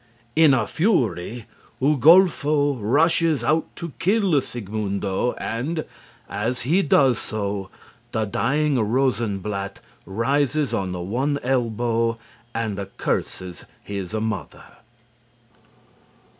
In a fury, Ugolfo rushes out to kill Sigmundo and, as he does so, the dying Rosenblatt rises on one elbow and curses his mother.